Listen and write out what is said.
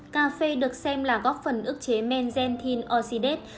cà phê được xem là góp phần ức chế men xanthin oxidase